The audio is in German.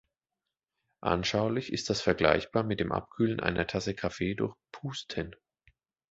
Anschaulich ist das vergleichbar mit dem Abkühlen einer Tasse Kaffee durch „Pusten“.